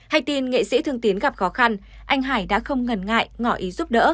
hãy tin nghệ sĩ thương tín gặp khó khăn anh hải đã không ngần ngại ngỏ ý giúp đỡ